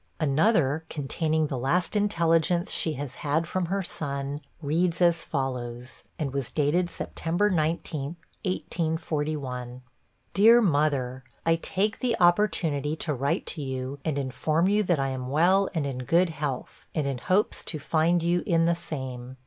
Another, containing the last intelligence she has had from her son, reads as follows, and was dated 'Sept. 19, 1841': 'DEAR MOTHER: 'I take the opportunity to write to you and inform you that I am well and in good health, and in hopes to find you in the same.